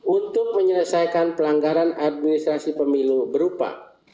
untuk menyelesaikan pelanggaran administrasi pemilu berupa